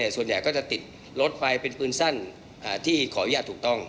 ส่วนใหญ่ก็จะติดรถไฟเป็นปืนสั้นที่ขออนุญาตถูกต้อง